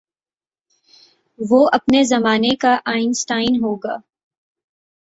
وہ اپنے زمانے کا آئن سٹائن ہو گا۔